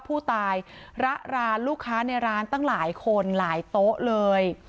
ผู้ตายระรานลูกค้าในร้านตั้งหลายคนหลายโต๊ะเลย